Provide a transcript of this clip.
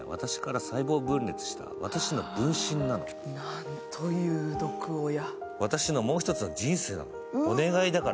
なんという毒親。